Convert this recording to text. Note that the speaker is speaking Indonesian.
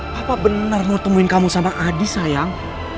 papa bener mau ketemuin kamu sama adi sayang